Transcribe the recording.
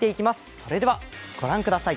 それでは御覧ください。